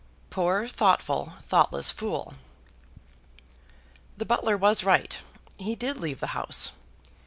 Poor thoughtful, thoughtless fool! The butler was right. He did leave the house.